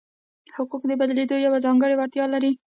حقوق د بدلېدو یوه ځانګړې وړتیا لري.